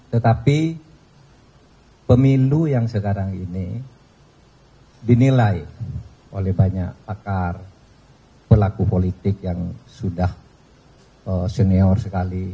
tetapi pemilu yang sekarang ini dinilai oleh banyak pakar pelaku politik yang sudah senior sekali